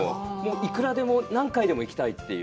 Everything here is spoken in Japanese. いくらでも、何回でも行きたいという。